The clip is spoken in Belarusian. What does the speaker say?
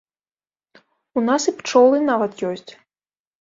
У нас і пчолы нават ёсць.